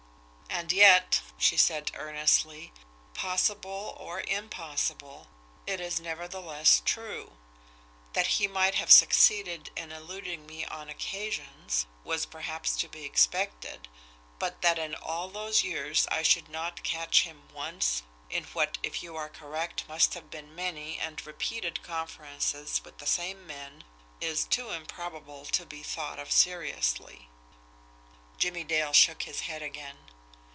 "And yet," she said earnestly, "possible or impossible, it is nevertheless true. That he might have succeeded in eluding me on occasions was perhaps to be expected; but that in all those years I should not catch him once in what, if you are correct, must have been many and repeated conferences with the same men is too improbable to be thought of seriously." Jimmie Dale shook his head again.